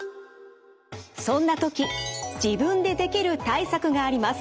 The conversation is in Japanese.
そんな時自分でできる対策があります。